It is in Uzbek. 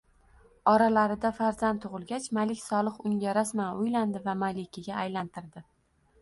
— Oralarida farzand tug‘ilgach, Malik Solih unga rasman uylandi va malikaga aylantirdi